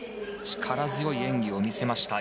力強い演技を見せました。